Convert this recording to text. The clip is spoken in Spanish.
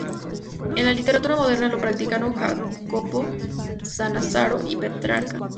En la literatura moderna lo practicaron Jacopo Sannazaro y Petrarca.